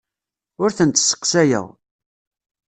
Ur tent-sseqsayeɣ.